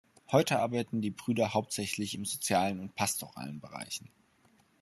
Heute arbeiten die Brüder hauptsächlich im sozialen und pastoralen Bereichen.